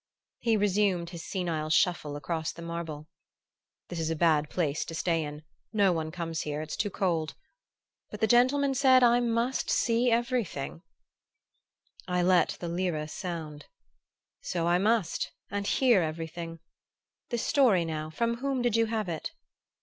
He resumed his senile shuffle across the marble. "This is a bad place to stay in no one comes here. It's too cold. But the gentleman said, I must see everything!" I let the lire sound. "So I must and hear everything. This story, now from whom did you have it?"